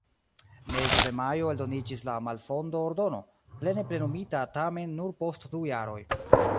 Meze de majo eldoniĝis la malfondo-ordono, plene plenumita tamen nur post du jaroj.